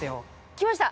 来ました！